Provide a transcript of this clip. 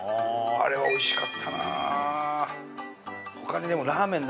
あれはおいしかったな。